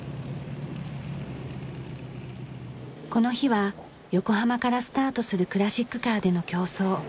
この日は横浜からスタートするクラシックカーでの競走。